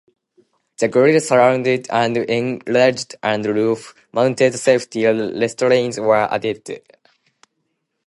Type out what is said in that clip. The grill surround was enlarged, and roof mounted safety restraints were added.